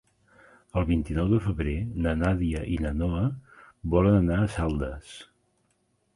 El vint-i-nou de febrer na Nàdia i na Noa volen anar a Saldes.